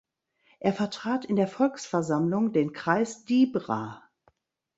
Er vertrat in der Volksversammlung den Kreis Dibra.